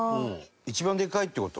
一番でかいって事？